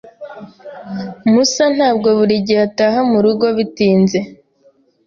Musa ntabwo buri gihe ataha murugo bitinze.